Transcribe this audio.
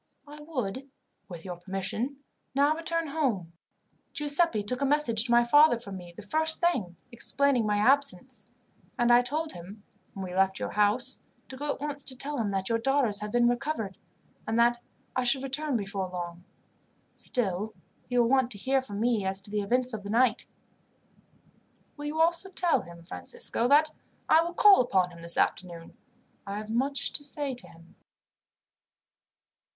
I would, with your permission, now return home. Giuseppi took a message to my father from me, the first thing, explaining my absence; and I told him, when we left your house, to go at once to tell him that your daughters had been recovered, and that I should return before long. Still, he will want to hear from me as to the events of the night." "Will you also tell him, Francisco, that I will call upon him this afternoon. I have much to say to him."